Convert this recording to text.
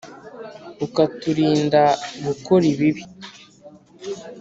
ukaturinda gukora ibibi